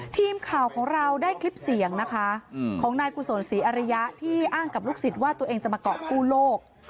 ทีมข่าวของเราได้คลิปเสียงนะคะของนายกุศลศรีอริยะที่อ้างกับลูกศิษย์ว่าตัวเองจะมาเกาะกู้โลก